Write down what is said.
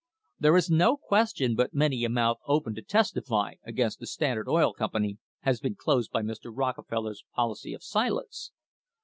There is no question but many a mouth opened to testify against the Standard Oil Company has been closed by Mr. Rockefeller's policy of silence.